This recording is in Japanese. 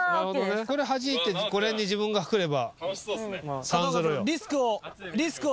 これはじいてこの辺に自分が来れば。